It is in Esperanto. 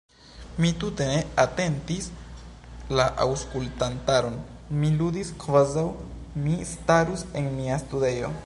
Mi tute ne atentis la aŭskultantaron; mi ludis, kvazaŭ mi starus en mia studejo.